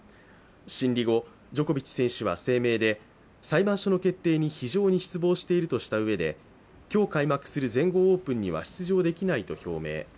審理後、ジョコビッチ選手は声明で裁判所の決定に非常に失望しているとしたうえで今日開幕する全豪オープンには出場できないと表明。